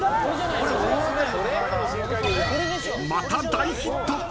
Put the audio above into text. ［また大ヒット］